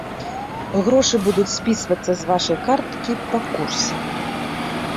Грошы будуць спісвацца з вашай карткі па курсе.